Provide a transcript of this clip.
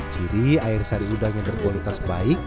jadi air sari udang yang berkualitas baik